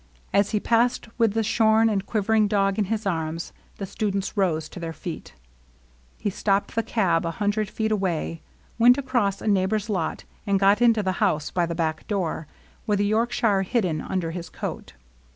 As he passed with the shorn and quivering dog in his arms, the students rose to their feet. He stopped the cab a hundred feet away, went across a neighbor's lot, and got into the house by the back door, with the Yorkshire hidden under his coat.